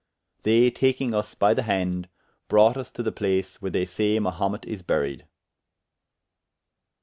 They taking vs by the hande, brought vs to the place where they saye Mahumet is buried.